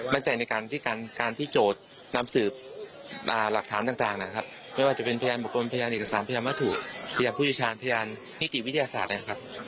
ในการที่การที่โจทย์นำสืบหลักฐานต่างนะครับไม่ว่าจะเป็นพยานบุคคลพยานเอกสารพยานวัตถุพยานผู้เชี่ยวชาญพยานนิติวิทยาศาสตร์นะครับ